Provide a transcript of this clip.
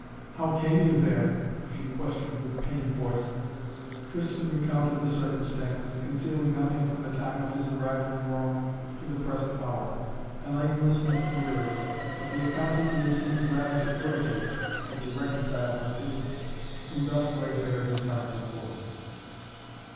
"How came you there?" she questioned with pained voice. Tristan recounted the circumstances, concealing nothing from the time of his arrival in Rome to the present hour. Hellayne listened wearily, but the account he gave seemed rather to irritate than to reconcile her to him, who thus laid bare his heart before her.